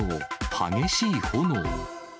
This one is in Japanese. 激しい炎。